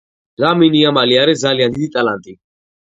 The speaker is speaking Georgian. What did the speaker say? ლამინ იამალი არის ძალიან დიდი ტალანტი